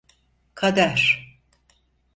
Kader!